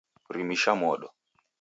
Rimisha modo